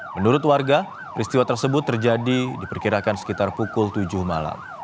menurut warga peristiwa tersebut terjadi diperkirakan sekitar pukul tujuh malam